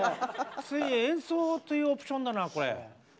ついに演奏というオプションだなこれ。